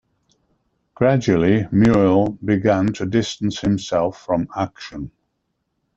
Gradually, Muehl began to distance himself from "Aktion".